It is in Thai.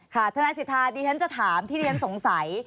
ค่ะธนายศิษฐาดิฉันจะถามที่เรียนสงสัย